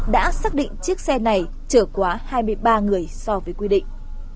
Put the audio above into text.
đã xác định chiếc xe này chở quá hai mươi ba người so với quy định